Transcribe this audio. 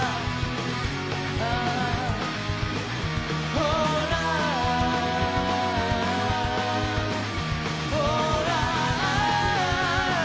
ほらほら